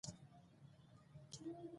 کلي د سیاسي جغرافیه یوه مهمه برخه ده.